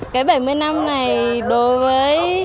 cái bảy mươi năm này đối với